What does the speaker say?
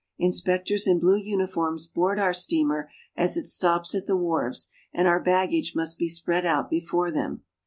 Inspectors in blue uniforms board our steamer as it stops at the wharves, and our baggage must be spread out before them.